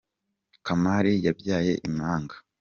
Kamari yabyaye imanga.